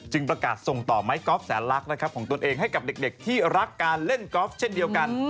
ประกาศส่งต่อไม้กอล์ฟแสนลักษณ์นะครับของตนเองให้กับเด็กที่รักการเล่นกอล์ฟเช่นเดียวกัน